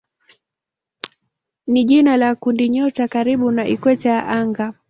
ni jina la kundinyota karibu na ikweta ya anga.